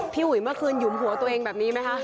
อุ๋ยเมื่อคืนหยุมหัวตัวเองแบบนี้ไหมคะ